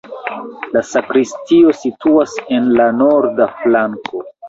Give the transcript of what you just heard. La sakristio situas en la norda flanko.